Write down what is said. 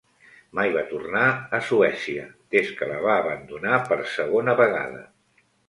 Mai va tornar a Suècia des que la va abandonar per segona vegada.